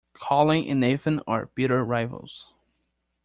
Colin and Nathan are bitter rivals.